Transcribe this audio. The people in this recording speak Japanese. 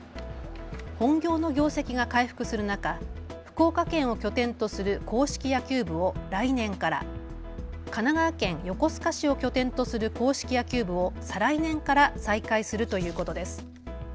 本業の業績が回復する中、福岡県を拠点とする硬式野球部を来年から、神奈川県横須賀市を拠点とする硬式野球部を再来年から再開するということです。